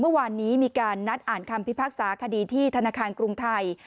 เมื่อวานนี้มีการนัดอ่านคำพิพากษาคดีที่ธนาคารกรุงไทย